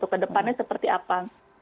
kedepannya seperti apa